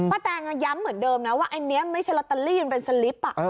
แตงย้ำเหมือนเดิมนะว่าอันนี้ไม่ใช่ลอตเตอรี่มันเป็นสลิป